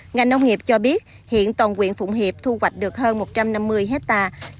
ngành nông nghiệp cho biết hiện toàn quyện phụng hiệp thu hoạch được hơn một trăm năm mươi hectare